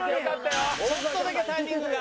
ちょっとだけタイミングが。